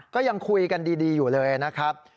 ก็ยังคุยกันดีอยู่เลยนะครับ